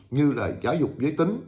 như là giáo dục giới tính